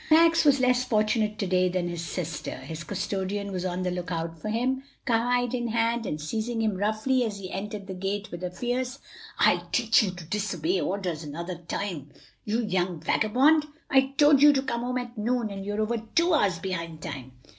Max was less fortunate to day than his sister. His custodian was on the look out for him, cowhide in hand, and seizing him roughly, as he entered the gate, with a fierce, "I'll teach you to disobey orders another time, you young vagabond! I told you to come home at noon, and you're over two hours behind time!"